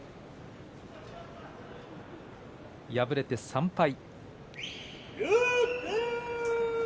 敗れて３敗。